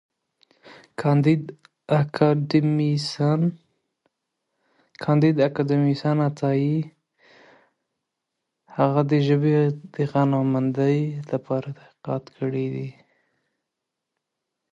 کانديد اکاډميسن عطايي هغه د ژبې د غنامندۍ لپاره تحقیقات کړي دي.